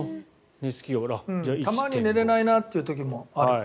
たまに寝れないなという時もある。